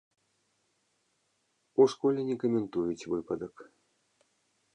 У школе не каментуюць выпадак.